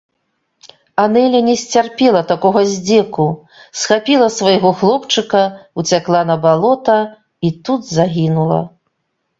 Анэля не сцярпела такога здзеку, схапіла свайго хлопчыка, уцякла на балота і тут загінула.